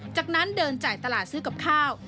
จากนั้นเดินจ่ายตลาดซื้อกับข้าว